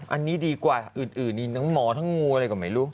อันนี้ดีกว่าอื่นน้องหมอทั้งงูอะไรกว่าไหมลูก